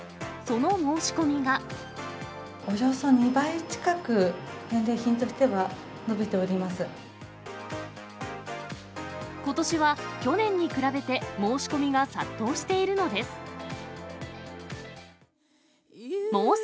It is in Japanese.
およそ２倍近く、返礼品としことしは、去年に比べて申し込みが殺到しているのです。